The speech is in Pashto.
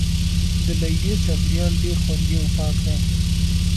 د لیلیې چاپیریال ډیر خوندي او پاک دی.